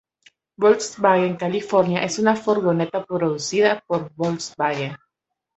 Volkswagen California es una furgoneta producida Volkswagen.